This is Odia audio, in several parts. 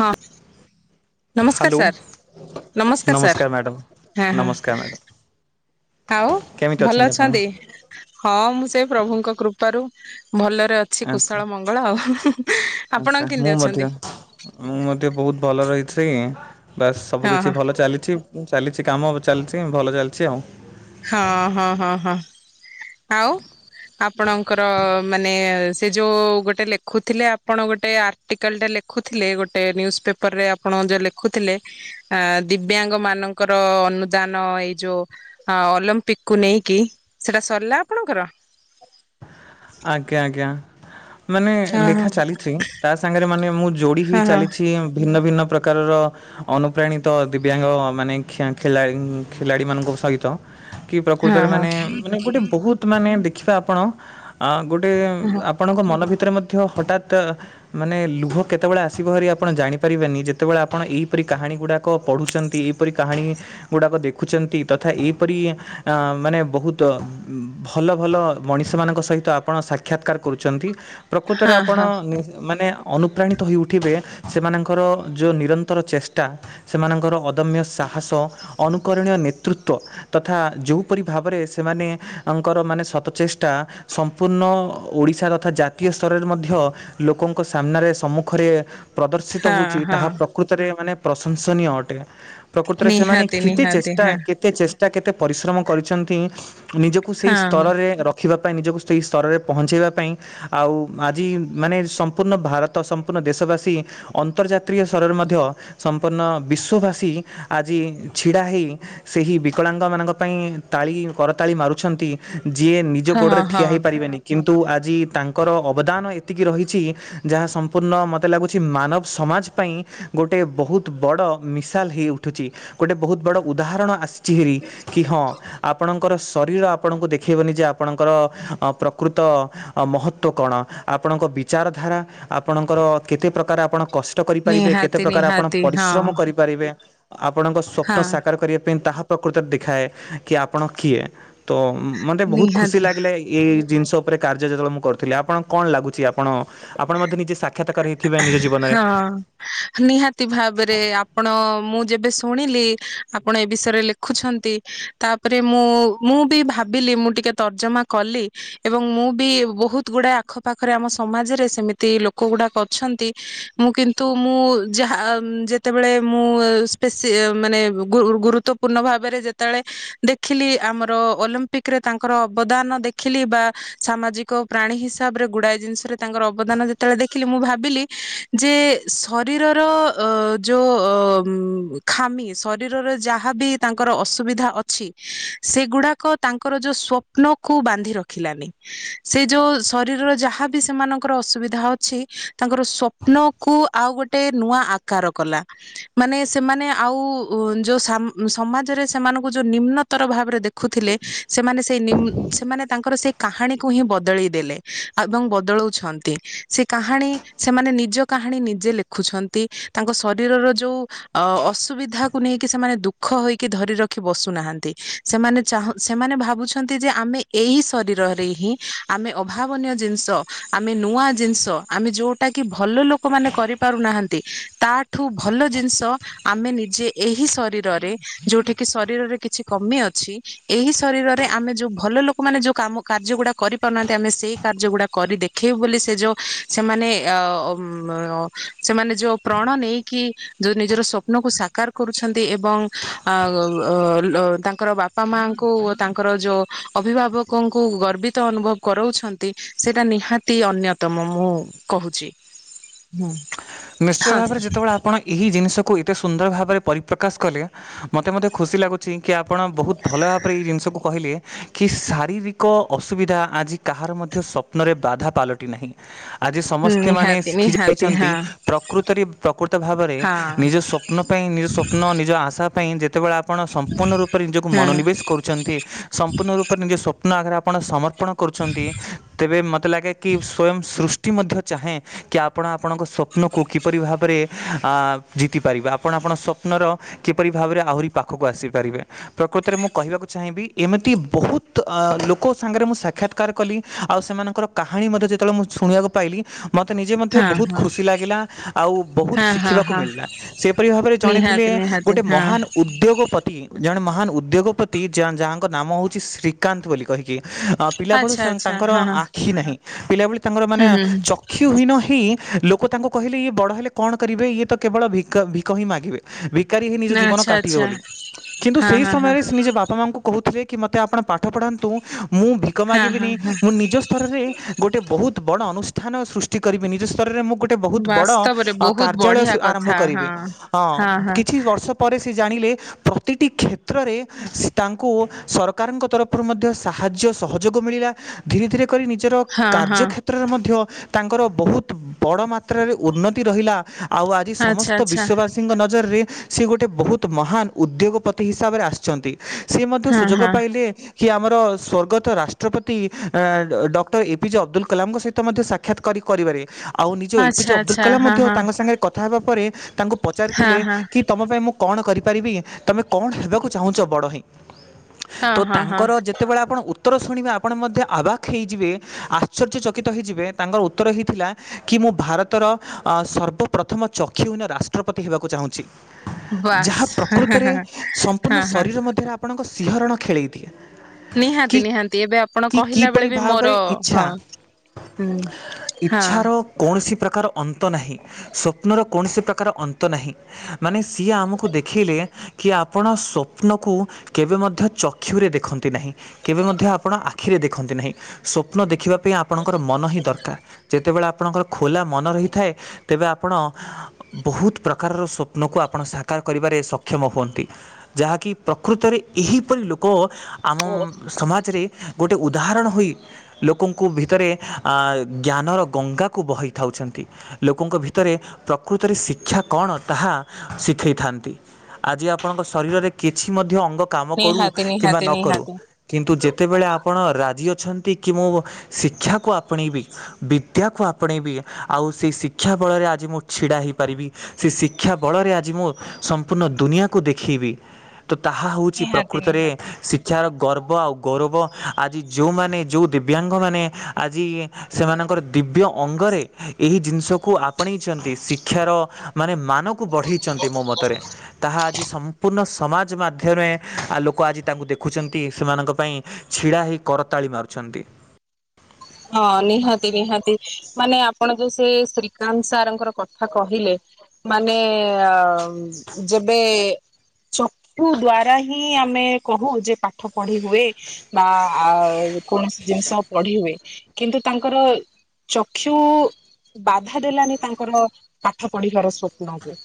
ହିଁ। ନମସ୍କାର ହ୍ୟାଲୋ ସାର୍ ନମସ୍କାର ସାର୍ ହେଁ ନମସ୍କାର ମ୍ୟାଡ଼ାମ ହଁ। ଆଉ କେମିତି ଭଲ ଆପଣ? ଅଛନ୍ତି? ହଁ ମୁଁ ସେ ପ୍ରଭୁଙ୍କ କୃପାରୁ। ଭଲରେ ଅଛି ଆଚ୍ଛା କୁଶଳ ମଙ୍ଗଳ ଆଉ ଆଚ୍ଛା ଆପଣ ମୁଁ କେମିତି ମଧ୍ୟ ଅଛନ୍ତି? ମୁଁ ମଧ୍ୟ ବହୁତ ଭଲ ରହି ସେଇଁ ବାସ୍ ସବୁ ହଁ କିଛି ହଁ ଭଲ ଚାଲିଛି ଚାଲିଛି କାମ ଚାଲିଚ଼ି ଭଲ ଚାଲିଛି ଆଉ। ହଁ ହଁ ହଁ ହଁ ଆଉ। ଆପଣଙ୍କର ମାନେ ସେ ଯୋଉ ଗୋଟେ ଲେଖୁଥିଲେ ଆପଣ ଗୋଟେ ଆର୍ଟିକାଲ ଟା ଲେ ଖୁଥିଲେ ଗୋଟେ ନ୍ୟୁଜ୍ ପେପରରେ ଆପଣ ଯା ଲେଖୁଥିଲେ ଆ ଦିବ୍ୟାଙ୍ଗ ମାନଙ୍କର ଅନୁଦାନ ଏଇ ଯୋଉ ହଁ ଅଲମ୍ପିକ୍ କୁ ନେଇକି ସେଟା ସରିଲା ଆପଣଙ୍କର? ଆଜ୍ଞା ଆଜ୍ଞା। ମାନେ ହଁ ହଁ ଲେଖା ଚାଲିଛି ତା ସାଙ୍ଗରେ ମାନେ ମୁଁ ଯୋଡି ହେଇ ହଁ ହଁ ଚାଲିଛି ଭିନ୍ନ ଭିନ୍ନ ପ୍ରକାରର ଅନୁପ୍ରାଣିତ ଦିବ୍ୟାଙ୍ଗ ମାନେ ଖେ ଖେଳାଳି ଖେଲାଡ଼ି ମାନଙ୍କ ସହିତ। ତ କି ହଁ ପ୍ରକୃତରେ ହଁ। ମାନେ ମାନେ ଗୋଟେ ବହୁତ ମାନେ ଦେଖିବା ଆପଣ ଆଁ ଗୋ ଟେ ଉଁ ହଁ ଆପଣଙ୍କ ମନ ଭି ତିରେ ମଧ୍ୟ ହଠାତ୍ ମାନେ ଲୁହ କେତେବେଳେ ଆସିବ ହାରି ଆପଣ ଜାଣିପାରିବେନି ଯେତେ ଆପଣ ଏଇପ୍ରିରି ଏ କାହାଣୀ ଗୁଡ଼ାକ ପଢ଼ୁଛନ୍ତି ଏଇପରି କାହାଣୀ ଗୁଡ଼ାକ ଦେଖୁଛନ୍ତି ତଥା ଏପରି ଆଁ ମାନେ ବହୁତ ଭଲ ଭଲ ମଣିଷମାନଙ୍କ ସହିତ। ତ ଆପଣ ସାକ୍ଷାତକାର କରୁଛନ୍ତି ପ୍ରକୃତରେ ଆପଣ ହଁ ମାନେ ଅନୁପ୍ରାଣିତ ହୋଇଉଠିବେ ସେମାନଙ୍କର ଯୋଉ ନିରନ୍ତର ଚେଷ୍ଟା ସେମାନଙ୍କର ଅଦମ୍ୟ ସା ହାସ ଅନୁକରଣୀୟ ନେତୃତ୍ୱ ତଥା ଯୋଉପରି ଭାବରେ ସେମାନେଙ୍କର ମାନେ ଶତ ଚେଷ୍ଟା। ସମ୍ପୂର୍ଣ୍ଣ ଓଡ଼ିଶା ରଥା ଜାତୀୟ ସ୍ତରରେ ମଧ୍ୟ ଲୋକଙ୍କ ସାମ୍ନାରେ ସମ୍ମୁଖରେ ପ୍ରଦର୍ଶିତ ହଁ ହଉଚ଼ି ହଁ ତାହା ପ୍ରକୃତରେ ମାନେ ପ୍ରଶଂସନୀୟ ଅଟେ। ପ୍ରକୃତରେ ସେମାନେ ନିହାତି କେତେ ନିହାତି ଚେଷ୍ଟା ହଁ କେତେ ଚେଷ୍ ଟା କେତେ ପରିଶ୍ରମ କରିଛନ୍ତି ନିଜକୁ ସେଇ ହଁ ସ୍ତରରେ ରଖିବା ପାଇଁ ନିଜକୁ ସ୍ ସେହି ସ୍ତରରେ ପହଞ୍ଚେଇବା ପାଇଁ ଆଉ ଆଜି ମାନେ ସମ୍ପୂର୍ଣ୍ଣ ଭାରତ ସମ୍ପୂର୍ଣ୍ଣ ଦେଶବାସୀ। ଅନ୍ତର୍ଜାତୀୟ ସ୍ତରରେ ମଧ୍ୟ ସମ୍ପୂର୍ଣ୍ଣ ବିଶ୍ୱବାସୀ ଆଜି ଛିଡ଼ା ହେଇ। ସେହି ବିକଳାଙ୍ଗ ମାନଙ୍କ ପାଇଁ ତାଳି କରତାଳି ମାରୁଛନ୍ତି। ଯିଏ ନିଜ ହଁ ଗୋଡ଼ରେ ହଁ ଠିଆ ହେଇପାରିବେନି କି ନ୍ତୁ ଆଜି ତାଙ୍କର ଅବଦାନ ଏତିକି ରହିଛି ଯାହା ସମ୍ପୂର୍ଣ୍ଣ ମୋତେ ଲାଗୁଛି ମାନବ୍ ସମାଜ୍। ପାଇଁ ଗୋଟେ ବହୁତ୍ ବଡ଼ ମିଶାଲ୍ ହେଇ ଉଠୁଛି ଗୋଟେ ବହୁତ ବଡ଼ ଉଦାହରଣ ଆସ୍ ଚିହିରି କି ହଁ ଆପଣଙ୍କର ଶରୀର ଆପଣଙ୍କୁ ଦେଖବନି ଯେ ଆପଣଙ୍କର। ଅ ପ୍ରକୃତ ଅ ମହତ୍ଵ କଣ ଆପଣଙ୍କ ବିଚାର ଧାରା ଆପଣଙ୍କର କେତେ। ପ୍ରକାରେ ଆପଣ କଷ୍ ଟ କରିପାରିବେ କେତେ ନିହାତି ପ୍ରକାର ଆପଣ ନିହାତି ହଁ ପରିଶ୍ରମ କରିପାରିବେ ଆପଣଙ୍କ ହଁ ସ୍ୱପ୍ନ ସାକାର କରିବା ପାଇଁ ତାହା ପ୍ରକୃତରେ ଦେଖାଏ କି ଆପଣ କିଏ ତ ମତେ ବହୁତ ଖୁସି ନିହାତି ଲାଗିଲା। ଏଇ ଜିନିଷ ଉପରେ କର୍ଯ୍ୟ ଯେତେବେଳେ ମୁଁ କରୁଥିଲି ଆପଣ କଣ ଲାଗୁଛି ଆପଣ ଆପଣ ମତେ ନିଜେ ସା ହଁ ନିହାତି ଭାବରେ ଆପଣ ମୁଁ ଯେବେ ସ୍ ସୁଣିଲି ଆପଣ ଏ ବିଷୟରେ ଲେଖୁଛନ୍ତି ତାପରେ ମୁଁ ମୁଁ ବି ଭାବିଲି ମୁଁ ଟି କେ ତର୍ଜମା କଲି ଏବଂ ମୁଁ ବି ବହୁତ ଗୁଡ଼ାଏ ଆଖପାଖରେ ଆମ ସମାଜରେ ସେମିତି ଲୋ କଗୁଡାକ ଅଛନ୍ତି ମୁଁ କିନ୍ତୁ ମୁଁ ଯାହା ଆ ଯେତେବେଳେ ମୁଁ ସ୍ପେସି ମାନେ ଗୁରୁ ଗୁରୁତ୍ୱପୂର୍ଣ୍ଣ ଭାବରେ ଯେତେଏଳେ ଦେଖିଲି ଆମର ଅଲମ୍ପିକ୍ ରେ ତାଙ୍କର। ଅବଦାନ ଦେଖିଲି ବା ସାମାଜିକ ପ୍ରାଣୀ ହିସାବରେ ଗୁଡାଏ ଜିନିଷରେ ତାଙ୍କର ଅବଦାନ ଯେ ତେଳେ ଦେଖିଲି ମୁଁ ଭାବିଲି ଯେ ଶରୀରର ଅ ଯୋଉ ଅ ଖାମି ଶରୀରରେ ଯାହାବି ତାଙ୍କର ଅସୁବିଧା ଅଛି ସେଗୁଡାକ ତାଙ୍କର ଯୋ ସ୍ଵପ୍ନ କୁ ବାନ୍ଧି ରଖିଲାନି ସେ ଯୋଉ ଶରୀରର ଯାହାବି ସେମାନଙ୍କର ଅସୁବିଧା ହଉ ଛି ତାଙ୍କର ସ୍ୱପ୍ନ କୁ ଆଉ ଗୋଟେ ନୂଆ ଆକାର କଲା ମାନେ ସେମାନେ ଆଉ ଉ ଯୋଉ ସାମ୍ ସମାଜରେ ସେମାନଙ୍କୁ ଯେଉଁ ନିମ୍ନତର ଭାବରେ ଦେଖୁଥିଲେ ସେମାନେ ସେଇ ନିମୁନ୍ ସେମାନେ ତାଙ୍କର ସେଇ କାହାଣୀକୁହିଁ ବଦଳେଇ ଦେଲେ ଏବଂ ବଦଳଉଛନ୍ତି। ସେ କାହାଣୀ ସେମାନେ ନିଜ କାହାଣୀ ନିଜେ ଲେଖୁଛନ୍ତି ତାଙ୍କ ଶରୀରର ଯୋଉ ଅ। ଅସୁବିଧାକୁ ନେଇକି ସେମାନେ ଦୁଃଖ ହୋଇକି ଧରି ରଖି ବସୁନାହାନ୍ତି ସେମାନେ ଚାହୁଁ ସେମାନେ ଭାବୁ। ଛନ୍ତି ଯେ ଆମେ ଏଇ ଶରୀରରେ ହିଁ ଆମେ ଅଭାବନିୟ ଜିନିଷ ଆମେ ନୂଆ ଜିନିଷ। ତ ଆମେ ଯୋଉଟାକି ଭଲ ଲୋକମାନେ କରିପାରୁନାହାନ୍ତି ତାଠୁ ଭଲ ଜିନିଷ ଆମେ। ନିଜେ ଏହି ଶରୀରରେ ଯୋଉଠେକି ଶରୀରରେ କିଛି କମି ଅଛି ଏହି ଶରୀରରେ ଆମେ। ଆମେ ଯୋଉ ଭଲ ଲୋକମାନେେ ଯୋଉ କାମ କାର୍ଯ୍ୟ ଗୁଡ଼ା କରିପାରୁନାହାନ୍ତି ଆମେ ସେଇ କାର୍ଯ୍ୟ ଗୁଡ଼ା କରି ଦେଖେଇବୁ ବୋଲି ସେ ଯୋ ସେମାନେ ଅ ଅମ୍ ଅ ସେମାନେ ଯୋଉ ପ୍ରଣ ନେଇକି ଯୋ ନିଜର ସ୍ୱପ୍ନ ନକୁ ସାକାର କରୁଛନ୍ତି ଏବଂ ଆ ଅ ତାଙ୍କର ବାପା ମାଙ୍କୁ ତାଙ୍କର। ଯୋଉ ଅଭିଭାବକଙ୍କୁ ଗର୍ବିତ ଅନୁଭବ କରଉଛନ୍ତି ସେଇଟା ନିହାତି ଅନ୍ୟକ୍ ତମ ମୁଁ କହୁଛି ହୁଁ। ନିଶ୍ଚୟ ଭାବରେ ଯେତବଳେ ଆପଣ ଏହି ଜିନିଷକୁ ଏ ତେ ସୁନ୍ଦର ଭାବରେ ପରିପ୍ରକାଶ କଲେ ମୋତେ ମୋତେ ଖୁସି ଲାଗୁଛି। କି ଆପଣ ବହୁତ୍ ଭଲଭାବରେ ଏଇ ଜିନିଷକୁ କହିଲେ। କି ଶାରୀରିକ ଅସୁବିଧା ଆଜି କାହାର ମଧ୍ୟ ସପ୍ନରେ ବାଧା ପାଲଟି ନାହିଁ। ଆଜି ସମସ୍ତେ ମାନେ ନିହାତି ଶିଖି ନିହାତି ହଁ ଯାଇଛନ୍ତି। ପ୍ରକୃତରେ ପ୍ରକୃତ ଭାବରେ ହଁ ନିଜ ସ୍ୱପ୍ନ ପାଇଁ ନିଜ ସ୍ୱପ୍ନ ନିଜ ଆଶା ପାଇଁ ଜେତବଳେ ଆପ୍ ଆପଣ ସମ୍ପୂର୍ଣ ରୂପରେ ନିଜକୁ ହଁ ମନନିବେଶ କରୁଛନ୍ତି ସମ୍ପୂର୍ଣ୍ଣ ରୂପରେ ନିଜ ସ୍ୱପ୍ନ ଆଗରେ ଆପଣ ସମର୍ ପଣ କରୁଛନ୍ତି ତେବେ ମତେ ଲାଗେ କି ସ୍ଵୟଂ ସୃଷ୍ ତି ମଧ୍ୟ ଚାହେଁ କି ଆପଣ ଆପଣଙ୍କ ସ୍ୱପ୍ ନକୁ କିପରି ଭାବରେ ଆଁ ଜିତିପାରିବେ ଆପଣ ଆପଣ ସ୍ୱପ୍ନର କିପରି ଭାବରେ ଆହୁରି ପାଖକୁ କୁ ଆସିପାରିବେ ପ୍ରକୃତରେ ମୁଁ କହିବାକୁ ଚାହିଁବି ଏମିତି ବହୁତ୍ ଅ ଲୋକ ସାଙ୍ଗରେ ମୁଁ ସାକ୍ଷାତ୍ କାର କଲି ଆଉ ସେମାନଙ୍କର କାହାଣୀ ମଧ୍ୟ ଯେତେବେଳେ ମୁଁ ଶୁଣିବାକୁ ପାଇଲି ମତେ ନିଜେ ମଧ୍ୟ ହଁ ବହୁତ ହଁ ଖୁସି ତି ଲାଗିଲା ଆଉ ବହୁତ୍ ହଁ ହଁ ଶିଖିବାକୁ ହଁ ମିଳିଲା ସେଇପରି ଭାବରେ ଜଣେଥିଲେ ନିହାତି ନିହାତି ଗୋଟେ ହଁ ମହାନ ଉଦ୍ ଦ୍ୟୋଗପତି ଜଣେ ମହାନ୍ ଉଦ୍ୟୋଗପତି ଯା ଯାହାଙ୍କ ନାମ ହଉଛି ଶ୍ରୀକାନ୍ତ ବୋଲି କହିକି। ଅ ପିଲାବେଳୁ ଆଚ୍ଛା ସେଅ ଆଚ୍ଛା ତାଙ୍କର ହଁ ଆଖି ନାହିଁ ପିଲା ଭଳି ତାଙ୍କର ମାନେ ହୁଁ ହୁଁ ଚକ୍ଷୁ ହୀନ ହି କି ଲୋକ ତାଙ୍କୁ କହିଲେ ଇଏ ବଡ଼ହେଲେ କଣକରିବେ ଇଏ ତ କେବଳ ଭିକ ଭିକ ହିଁ ମାଗିବେ ଭି କାରି ହିଁ ନିଜ ନା ଜୀବନ ଆଚ୍ଛା କାଟିବେ ଆଚ୍ଛା ବୋଲି କିନ୍ତୁ ସେଇ ହଁ ହଁ ହଁ ସମୟରେ ସେ ନିଜ ବାପା ମାଙ୍କୁ କହୁଥିଲେ କି ମୋତେ ଆପଣ ପାଠ ପଢ଼ାନ୍ତୁ। ମୁଁ ଭିକ ହଁ ମାଗିବିନି ହଁ ହଁ ମୁଁ ନିଜ ସ୍ତରରେ ଗୋଟେ ବହୁତ ବଡ଼ ଅନୁଷ୍ଠାନ ସୃଷ୍ଟି କରିବି ନିଜ ସ୍ତରରେ ମୁଁ ଗୋଟେ ଗୋଟେ ବହୁତ୍ ବଡ଼ ବାସ୍ତବରେ ଅ ବହୁତ କାର୍ଯ୍ୟାଳୟ ବଢିଆ ସ ଆରମ୍ଭ କଥା କରିବି ହଁ ଅ ହଁ ହଁ କିଛି ବର୍ଷ ପରେ ସେ ଜାଣିଲେ ପ୍ରତିଟି କ୍ଷେତ୍ରରେ ସେ ତାଙ୍କୁ ସରକାରଙ୍କ ତରଫରୁ ମଧ୍ୟ ସାହାଯ୍ୟ ସହଯୋଗ ମିଳିଲା ଧୀରେ ଧୀରେ କରି ନିଜର ହଁ ହଁ କାର୍ଯ୍ୟକ୍ଷେତ୍ରରେ ମଧ୍ୟ ତାଙ୍କର ବହୁତ୍ ବଡ଼ ମା ତ୍ରାରେ ଉନ୍ନତି ରହିଲା ଆଉ ଆଜି ଆଚ୍ଛା ସମସ୍ତ ଆଚ୍ଛା ବିଶ୍ବବାସୀଙ୍କ ନଜରରେ ସେ ଗୋଟେ ବହୁତ୍ ମହାନ୍ ଉଦ୍ୟୋଗପତି ହିସାବରେ ଆସିଛନ୍ତି ସେ ମଧ୍ୟ ହଁ ସୁଯୋଗ ହଁ ପାଇଲେ କିଏ ଆମର ସ୍ଵର୍ଗତ ରାଷ୍ଟ୍ରପତି ଆଁ ଡକ୍ଟର ଏପିଜେ ଅବଦୁଲ କଲାମଙ୍କ ସହିତ ମଧ୍ୟ ସାକ୍ଷାତ୍ କରି କରିବାରେ ଆଉ ନିଜ ଏ ପିଜେ ଆଚ୍ଛା ଅବଦୁଲ୍ ଆଚ୍ଛା କଲାମ୍ ହଁ ମଧ୍ୟ ହଁ ତାଙ୍କ ସାଙ୍ଗରେ କଥା କଥା ହେବା ପରେ ତାଙ୍କୁ ହଁ ପଚାରିଥିଲେ ହଁ କି ତମ ପାଇଁ ମୁଁ କଣ କରିପାରିବି? ତମେ କଣ ହେବାକୁ ଚାହୁଁଛ ବଡ଼ ହେଁଇ? ହଁ ତୋ ହଁ ତାଙ୍କର ହଁ ଯେତେବେଳେ ଆପଣ ଉତ୍ ଉତ୍ତର ଶୁଣିବେ ଆପଣ ମଧ୍ୟ ଆବାକ୍ ହେଇଯିବେ ଆଶ୍ଚର୍ଯ୍ୟ ଚକିତ ହେଇଯିବେ ତାଙ୍କର ଉତ୍ତର ହିଁ ଥିଲା କି ମୁଁ ଭାରତ୍ ତର ଅ ସର୍ବପ୍ରଥମ ଚକ୍ଷୁ ହିନ ରାଷ୍ଟ୍ରପତି ହେବାକୁ ଚାହୁଁଛି। ବାସ୍ ଯାହା ହଁ ପ୍ରକୃତରେ ସମ୍ପୂର୍ଣ୍ଣ ହଁ ହଁ ଶରୀର ମଧ୍ୟରେ ଆପଣଙ୍କ ସିହରଣ ଖେଳେଇ ଦିଏ। ନିହାତି କି ନିହାନ୍ତି ଏବେ ଆପଣ କି କହିଲା ବେଳେ କିପରି ବି ମୋର ଭାବରେ ହଁ ଇଚ୍ଛା ହୁଁ ହଁ କାର ଅନ୍ତ ନାହିଁ ସ୍ୱପ୍ନର କୌଣସି ପ୍ରକାର ଅନ୍ତ ନାହିଁ ମାନେ ସିଏ ଆମକୁ ଦେଖେଇଲେ କି ଆପଣ ସ୍ୱପ୍ନକୁ କେବେ ମଧ୍ୟ ଚକ୍ଷୁରେ ଦେଖନ୍ତି ନାହିଁ କେବେ ମଧ୍ୟ ଆପଣ ଆ ଖିରେ ଦେଖନ୍ତି ନାହିଁ ସ୍ୱପ୍ନ ଦେଖିବା ପାଇଁ ଆପଣଙ୍କର ମନ ହି ଦରକାର୍ ଯେତେବେଳେ ଆପଣଙ୍କର ଖୋଲା ମନ ରହିଥାଏ। ତେବେ ଆପଣ ବହୁତ ପ୍ରକାରର ସ୍ୱପ୍ନକୁ ଆପଣ ସାକାର କରିବାରେ ସ କ୍ଷମ ହୁଅନ୍ତି ଯାହାକି ପ୍ରକୃତରେ ଏହିପରି ଲୋକ ଆମ ସମାଜରେ ଗୋଟିଏ ଉଦାହରଣ ହୋଇ ଲୋକଙ୍କୁ ଭିତରେ ଜ୍ଞାନର ଗଙ୍ଗାକୁ ବହି ଥାଉଛନ୍ତି। ଲୋକଙ୍କ ଭିତରେ ପ୍ରକୃତରେ ଶିକ୍ଷା କଣ ତାହା ଶିଖାଇଥାନ୍ତି। ଆଜି ଆପଣଙ୍କ ଶରୀରରେ କିଛି ମଧ୍ୟ ଅଙ୍ଗ କାମ କରୁ ନିହାତି କିମ୍ବା ନିହାତି ନ କରୁ ନିହାତି କିନ୍ତୁ ଯେତେବେଳେ ଆପଣ ରାଜି ଅଛନ୍ତି କି ମୁଁ ଶିକ୍ଷାକୁ ଆପଣେଇବି ବିଦ୍ୟାକୁ ଆପଣେଇବି ଆଉ ସେହି ଶିକ୍ଷା ବଳରେ ଆଜି ମୁଁ ଛିଡ଼ା ହେଇପାରିବି, ସେ ଶିକ୍ଷା ବଳରେ ଆଜି ମୁଁ ସମ୍ପୂର୍ଣ୍ଣ ଦୁନିଆକୁ ଦେଖିବି। ତ ତାହା ହେଉଛି ନିହାତି ପ୍ରକୃତରେ ନିହାତି। ଶିକ୍ଷାର ଗର୍ବ ଆଉ ଗୌରବ। ଆଜି ଯୋଉମାନେ ଯୋଉ ଦିବ୍ୟାଙ୍ଗ ମାନେ ଆଜି ସେମାନଙ୍କର ଦିବ୍ୟ ଅଙ୍ଗରେ ଏହି ଜିନିଷକୁ ଆପଣେଇଛନ୍ତି ଶିକ୍ଷାର ମାନେ ମାନ ବଢେଇଛନ୍ତି ମୋ ମତରେ ତାହା ଆଜି ସମ୍ପୂର୍ଣ ସମାଜ ମାଧ୍ୟମରେ ଲୋକ ଆଜି ତାଙ୍କୁ ଦେଖୁଛନ୍ତି ସେମାନଙ୍କ ପାଇଁ ଛିଡ଼ା ହେଇ କରତାଳି ମାରୁଛନ୍ତି। ହଁ ନିହାତି ନିହାତି ମାନେ ଆପଣ ସେ ଶ୍ରୀକାନ୍ତ ସାରଙ୍କର କଥା କହିଲେ ମାନେ ଆ ଉଁ ଯେବେ। [inaudible] ଚକ୍ଷୁ ଦ୍ଵାରା ହିଁ ଆମେ କହୁ ଯେ ପାଠ ପଢି ହୁଏ ବା ଆ କୌଣସି ଜିନିଷ ପଢି ହୁଏ କିନ୍ତୁ ତାଙ୍କର। ଚକ୍ଷୁ ବାଧା ଦେଲାନି ତାଙ୍କର ପାଠ ପଢିବାର ସ୍ୱପ୍ନକୁ।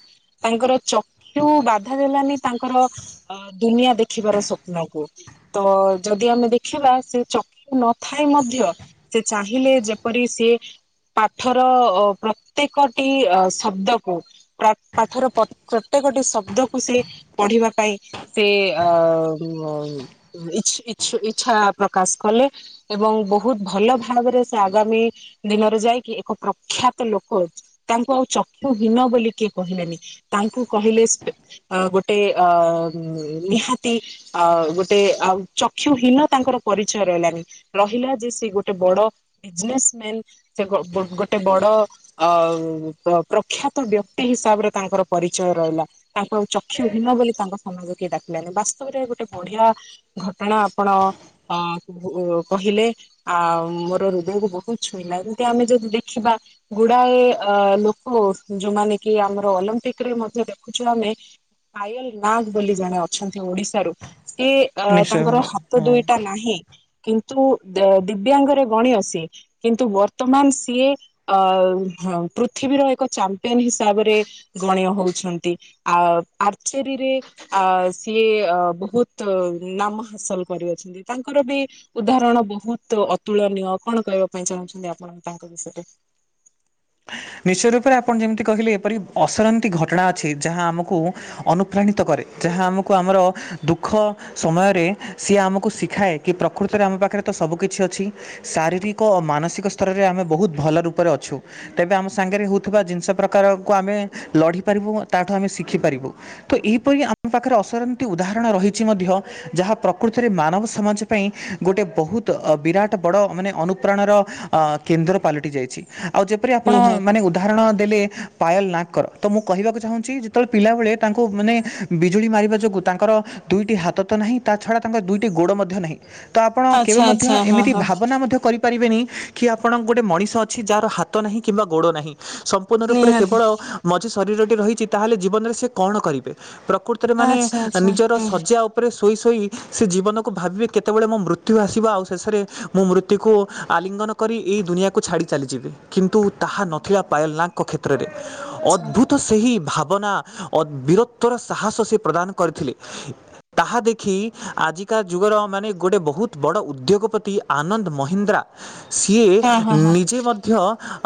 ତାଙ୍କର ଚକ୍ଷୁ ବାଧା ଦେଲାନି ତାଙ୍କର ଅ ଦୁନିଆ ଦେଖିବାର ସ୍ୱପ୍ନକୁ। ତ ଯଦି ଆମେ ଦେଖିବା ସେ ଚକ୍ଷୁ ନ ଥାଇ ମଧ୍ୟ। ସେ ଚାହିଁଲେ ଯେପରି ସିଏ। ପାଠର ଅ ପ୍ରତ୍ୟେକଟି ଅ ଶବ୍ଦକୁ ପ୍ର ପାଠର ପ-ପ୍ରତେ କ ଟି ଶବ୍ଦକୁ ସେ ପଢିବା ପାଇଁ ସେ ଅ ଉଁ ଅ ଉଁ ଇ ଈ ଇ-ଇଚ୍ଛା ପ୍ରକାଶ କଲେ ଏବଂ ବହୁତ ଭଲ ଭାବରେ ସେ ଆଗାମୀ ଦିନରେ ଯାଇକି ଏକ ପ୍ରଖ୍ୟାତ ଲୋକ ତାଙ୍କୁ ଆଉ ଚ ହୀନ ବୋଲି କିଏ କହିଲେନି ତାଙ୍କୁ ସେ ଅ କହିଲେ ଗୋଟେ ଅ ନି ନିହାତି ଅ ଗୋଟେ ଆଉ ଚକ୍ଷୁ ହୀନ ତାଙ୍କର ପରିଚୟ ରହିଲାନି ରହିଲା ଯେ ସେ ଗୋଟେ ବଡ ବିଜନେସ୍ ମେନ୍ ସେ ଗୋ-ଗୋ-ଗୋଟେ ବଡ ଅ ପ ପ୍ର ପ୍ରଖ୍ୟାତ ବ୍ୟକ୍ତି ହିସାବରେ ତାଙ୍କର ପରିଚୟ ରହିଲା ତାଙ୍କୁ ଆଉ ଚକ୍ଷୁ ହୀନ ବୋଲି ତାଙ୍କ ସମାଜ କିଏ ଡାକିଲାନି। ବାସ୍ତବରେ ଗୋଟେ ବଢିଆ ଘଟଣା ଆପଣ ଅ ଉ କହିଲେ। ଆଉ ମୋର ହୃଦୟକୁ ବହୁତ ଛୁଇଁଲା ଏମିତି ଆମେ ଯଦି ଦେଖିବା ଗୁଡାଏ ଅ ଲୋକ ଓ ଯୋଉମାନେ କି ଆମର ଅଲମ୍ପିକ ରେ ମଧ୍ୟ ଦେଖୁଛୁ ଆମେ। ପାୟଲ ନାଗ ବୋଲି ଜଣେ ଅଛନ୍ତି ଓଡିଶାରୁ। ସେ ଅ ନିଶ୍ଚୟ ତାଙ୍କର ଭାବରେ ହାତ ହଁ। ଦୁଇଟା ନାହିଁ କିନ୍ତୁ ଦ ଦିବ୍ୟାଙ୍ଗରେ ଗଣିୟ ସେ କିନ୍ତୁ ବର୍ତ୍ତମାନ ସିଏ ଅ ଅ ପୃଥିବୀର ଏକ ଚାମ୍ପିୟନ ହିସାବରେ ଗଣୀୟ ହଉଛନ୍ତି ଆ ଆରଚେରୀ ରେ ଆ ସ ସିଏ ଅ ବହୁତ ନାମ ହାସଲ କରିଅଛନ୍ତି ତାଙ୍କର ବି ଉଦାହରଣ ବହୁ ତ ଅତୁଳନୀୟ କଣ କହିବା ପାଇଁ ଚାହୁଁଛନ୍ତି ଆପଣ ତାଙ୍କ ବିଷୟରେ। ନିଶ୍ଚିତ ରୂପରେ ଆପଣ ଯେମିତି କହିଲେ ଏପରି ଅଶରନ୍ତି ଘଟଣା ଅଛି ଯାହା ଆମ କୁ ଅନୁପ୍ରାଣିତ କରେ। ଯାହା ଆମକୁ ଆମର ଦୁଃଖ ସମୟରେ ସିଏ ଆମକୁ ଶିଖାଏ କି ପ୍ରକୃତରେ ଆମ ପାଖରେ ତ ସବୁ କିଛି ଅଛି ଶାରୀରିକ ଓ ମାନସିକ ସ୍ତରରେ ଆମେ ବହୁତ ଭଲ ରୂପରେ ଅଛୁ। ତେବେ ଆମ ସାଙ୍ଗରେ ହଉଥିବା ଜିନିଷ ପ୍ରକାରକୁ ଆମେ ଲଢ଼ିପାରିବୁ ତାଠୁ ଆମେ ଶିଖିପାରିବୁ ତ ଏ ଏପରି ଆମ ପାଖରେ ଅସରନ୍ତି ଉଦାହରଣ ରହିଛି ମଧ୍ୟ ଯାହା ପ୍ରକୃତରେ ମାନବ ସମାଜ ପାଇଁ ଗୋ ଗୋଟେ ବହୁତ ଅ ବିରାଟ ବଡ ମାନେ ଅନୁପ୍ରାଣର ଅ କେନ୍ଦ୍ର ପାଲଟି ଯାଇଛି ଆଉ ଯେପରି ଆପଣ ନିହାତି ମାନେ ଉଦାହରଣ ଦେଲେ ପାୟଲ ନା ଗ ଙ୍କର ତ ମୁଁ କହିବାକୁ ଚାହୁଁଛି ଯେତେବେଳେ ପିଲାବେଳେ ତାଙ୍କୁ ମାନେ ବିଜୁଳି ମାରିବା ଯୋଗୁଁ ତାଙ୍କର ଦୁଇଟି ହା ହାତ ତ ନାହିଁ ତା ଛଡା ତାଙ୍କ ଦୁଇଟି ଗୋଡ଼ ମଧ୍ୟ ନାହିଁ। ତ ଆପଣ କେବେ ଆଚ୍ଛା ମଧ୍ୟ ଆଚ୍ଛା ହଁ ଏମିତି ହଁ ଭାବନା ମଧ୍ୟ କରିପାରିବେନି। କି ଆପଣଙ୍କ ଗୋଟେ ମଣିଷ ଅଛି ଯାହାର ହାତ ନାହିଁ କିମ୍ବା ଗୋଡ ନାହିଁ। ସମ୍ପୂର୍ଣ୍ଣ ରୂପରେ ନିହାତି କେବଳ ମଝି ଶରୀରଟି ରହିଛି ତାହେଲେ ଜୀବନରେ ସେ କଣ କରିବେ ପ୍ର କୃତରେ ମାନେ ଆଚ୍ଛା ଆଚ୍ଛା ନିଜର ଶଯ୍ୟା ଉପରେ ଶୋଇ ଶୋ ଇ ସେ ଜୀବନ କୁ ଭାବିବେ କେତେବେଳେ ମୋ ମୃତ୍ୟୁ ଆସିବ ଆଉ ଶେଷ ରେ ମୁଁ ମୃତ୍ୟୁ କୁ ଆଲିଙ୍ଗନ କ କରି ଏକ ଦୁନିଆକୁ ଛାଡ଼ି ଚାଲିଯିବେ କି ନ୍ତୁ ତାହା ହଁ। ନଥିଲା ପାୟଲ ନାଗ ଙ୍କ କ୍ଷେତ୍ରରେ ଆଚ୍ଛା ଅଦ୍ଭୁତ ଆଚ୍ଛା। ସେହି ଭା ବନା ଅ ବୀରତ୍ୱ ର ସାହସ ସେ ପ୍ରଦାନ କରିଥିଲେ ତାହା ଦେଖି ଆଜି କା ଯୁଗର ମାନେ ଗୋଟେ ବହୁତ ବଡ଼ ଉଦ୍ୟୋଗପତି ଆନନ୍ଦ ମହିନ୍ଦ୍ରା। ସିଏ ହଁ ହଁ ହଁ ନିଜେ ମଧ୍ୟ।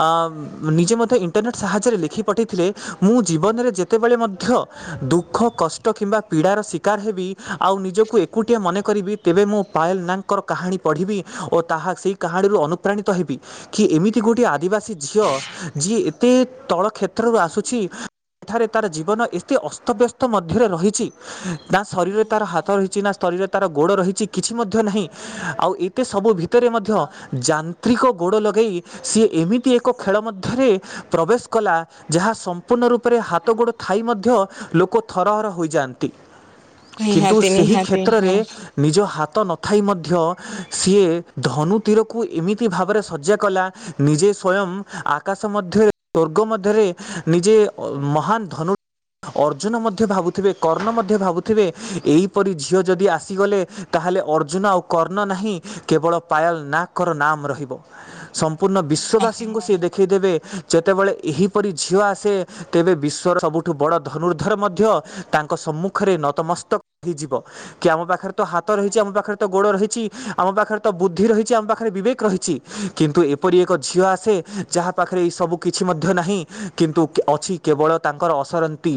ଅମ ନିଜେ ମଧ୍ୟ ଇଣ୍ଟରନେଟ ସାହାଯ୍ୟରେ ଲେଖି ପଠାଇଥିଲେ ମୁଁ ଜୀବନରେ ଯେତେବେଳେ ମଧ୍ୟ। ଦୁଖ କଷ୍ଟ କିମ୍ବା ପୀଡ଼ାର ଶିକାର ହେବି ଆଉ ନିଜକୁ ଏକୁଟିଆ ମନେ କରିବି ତେବେ ମୁଁ ପା ୟଲ ନାଗଙ୍କର କାହାଣୀ ପଢିବି ଓ ତାହା ସେଇ କାହାଣୀରୁ ଅନୁପାଣିତ ହେବି କି ଏମିତି ଗୋଟିଏ ଆ ଆଦିବାସୀ ଝିଅ ଯିଏ ଏତେ ତଳ କ୍ଷେତ୍ରରୁ ଆସୁଛି। ସେଠାରେ ତାର ଜୀବନ ଏତେ ଅସ୍ତବ୍ୟସ୍ତ ମଧ୍ୟରେ ରହିଛି। ନା ଶରୀରରେ ତାର ହାତ ରହିଛି ନା ଶରୀରରେ ତାର ଗୋଡ଼ ରହିଛି କିଛି ମଧ୍ୟ ନାହିଁ ଆଉ ଏତେ ସବୁ ଭି ଭିତରେ ମଧ୍ୟ ଯାନ୍ତ୍ରିକ ଗୋଡ଼ ଲଗେଇ ସିଏ ଏମିତି ଏକ ଖେଳ ମଧ୍ୟରେ ପ୍ରବେଶ କଲା ଯାହା ସମ୍ପୂର୍ଣ୍ଣ ରୂପରେ ହାତ ଗୋଡ଼ ଥାଇ ମଧ୍ୟ ଲୋକ ଥରହର ହୋଇଯାନ୍ତି। କିନ୍ତୁ ନିହାତି ସେହି ନିହାତି ହଁ କ୍ଷେତ୍ରରେ ନିଜ ହା ତ ନଥାଇ ମଧ୍ୟ ସିଏ ଧନୁତିରକୁ ଏମିତି ଭାବରେ ଶଯ୍ୟା କଲା ନିଜେ ସ୍ଵୟଂ ଆକାଶ ମଧ୍ୟରେ ଦୁର୍ଗ ମଧ୍ୟରେ ନିଜେ ମହାନ ଧନୁ ଅର୍ଜୁନ ମଧ୍ୟ ଭାବୁଥିବେ କର୍ଣ୍ଣ ମଧ୍ୟ ଭାବୁଥିବେ ଏହିପରି ଝିଅ ଯଦି ଆସିଗଲେ ତାହା ହେଲେ ଅର୍ଜୁନ ଆଉ କର୍ଣ୍ଣ ନାହିଁ କେବଳ ପାୟଲ ନାକର ନାମ ରହିବ ସମପ ପୂର୍ଣ୍ଣ ବିଶ୍ୱବାସୀଙ୍କୁ ସିଏ ଦେଖେଇଦେବେ ଯେତେବେଳେ ଏହିପରି ଝିଅ ଆସେ ତେବେ ବିଶ୍ୱର ସବୁଠୁ ବଡ଼ ଧନୁର୍ଦ୍ଧର ମଧ୍ୟ ତାଙ୍କ ସମ୍ମୁଖରେ ନତମସ୍ତକ ହେଇଯିବ କି ଆମ ପାଖରେ ତ ହାତ ରହିଛି ଆମ ପାଖରେ ତ ଗୋଡ ରହିଛି ଆମ ପାଖରେ ତ ବୁଦ୍ଧି ରହିଛି ଆମ ପାଖରେ ବିବେକ ରହିଛି କିନ୍ତୁ ଏପରି ଏକ ଝିଅ ଆସେ ଯାହା ପାଖରେ ଏ ସବୁ କିଛି ମଧ୍ୟ ନାହିଁ କିନ୍ତୁ ଅଛି କେବଳ ତାଙ୍କର ଅସରନ୍ତି।